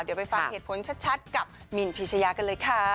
เดี๋ยวไปฟังเหตุผลชัดกับมินพีชยากันเลยค่ะ